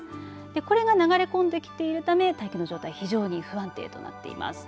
これが流れ込んできているため大気の状態非常に不安定となっています。